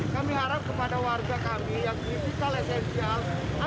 kami harap kepada warga kami yang digital esensial